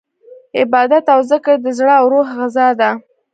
عبادت او ذکر د زړه او روح غذا ده.